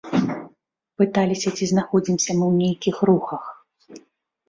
Пыталіся, ці знаходзімся мы ў нейкіх рухах.